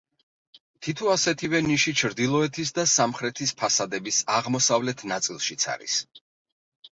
თითო ასეთივე ნიში ჩრდილოეთის და სამხრეთის ფასადების აღმოსავლეთ ნაწილშიც არის.